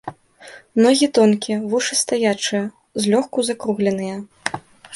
Ногі тонкія, вушы стаячыя, злёгку закругленыя.